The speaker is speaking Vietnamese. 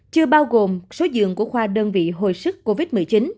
chưa bao gồm số giường của khoa đơn vị hồi sức covid một mươi chín